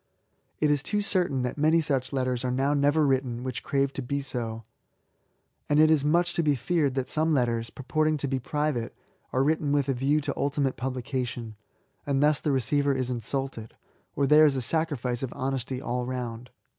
It is too certain that many such letters are now never written whicb crave to be so; and it is much to be feared that some letters^ purporting to be private^ are written with a view to ultimate publication ; and thus the re ceiver is insulted^ or there is a sacrifice of honesty all round.